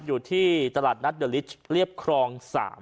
อยู่ที่ตลาดนัดเดอลิสเรียบครอง๓